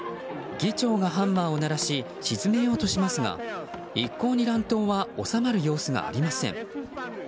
議長がハンマーを鳴らし静めようとしますが一向に乱闘は収まる様子がありません。